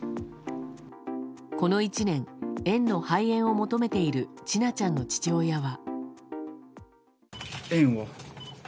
この１年、園の廃園を求めている千奈ちゃんの父親は。